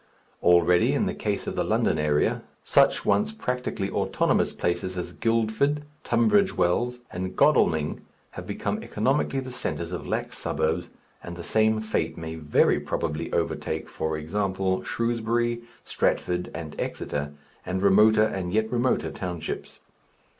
Already, in the case of the London area, such once practically autonomous places as Guildford, Tunbridge Wells, and Godalming have become economically the centres of lax suburbs, and the same fate may very probably overtake, for example, Shrewsbury, Stratford, and Exeter, and remoter and yet remoter townships.